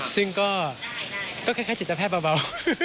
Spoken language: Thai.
ซึ่งก็คล้ายจิตแพทย์เบา